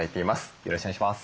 よろしくお願いします。